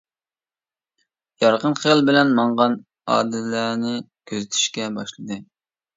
يارقىن خىيال بىلەن ماڭغان ئادىلەنى كۆزىتىشكە باشلىدى.